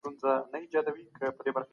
ايا پانګونه کولی سي بېوزلي کمه کړي؟